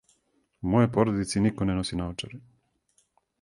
У мојој продици нико не носи наочаре.